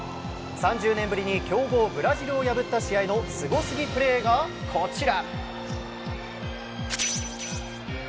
３０年ぶりに強豪ブラジルを破った試合のスゴすぎプレーがこちら。